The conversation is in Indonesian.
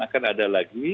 akan ada lagi